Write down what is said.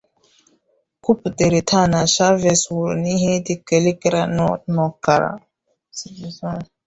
kwuputere taa na Chavez nwụrụ n’ịhe dịka elekere anọ n’ọkara